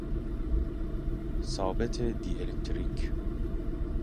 ثابت دی الکتریک